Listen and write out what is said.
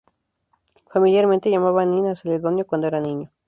Familiarmente, llamaban Nin a Celedonio cuando era niño.